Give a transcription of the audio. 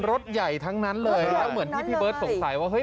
รถใหญ่ทั้งนั้นเลยแล้วเหมือนที่พี่เบิร์ตสงสัยว่าเฮ้